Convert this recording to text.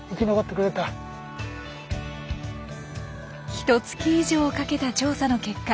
ひとつき以上かけた調査の結果